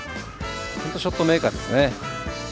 ショットメーカーですね。